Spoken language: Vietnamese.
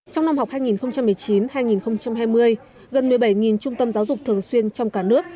trong năm học hai nghìn một mươi chín hai nghìn hai mươi gần một mươi bảy trung tâm giáo dục thường xuyên trong cả nước